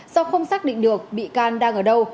do không xác định được bị can đang ở đâu